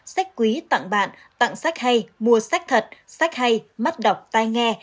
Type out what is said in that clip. sách quý tặng bạn tặng sách hay mua sách thật sách hay mắt đọc tai nghe